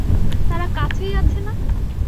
তারা কাছেই আছে -না।